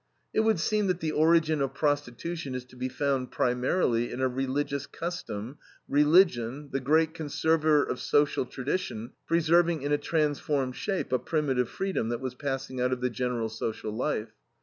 "It would seem that the origin of prostitution is to be found primarily in a religious custom, religion, the great conserver of social tradition, preserving in a transformed shape a primitive freedom that was passing out of the general social life.